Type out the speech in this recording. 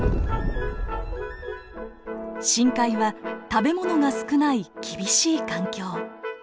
深海は食べ物が少ない厳しい環境。